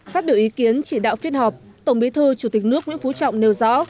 phát biểu ý kiến chỉ đạo phiên họp tổng bí thư chủ tịch nước nguyễn phú trọng nêu rõ